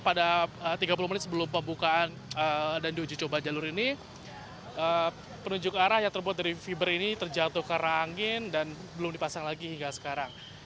pada tiga puluh menit sebelum pembukaan dan diuji coba jalur ini penunjuk arah yang terbuat dari fiber ini terjatuh ke arah angin dan belum dipasang lagi hingga sekarang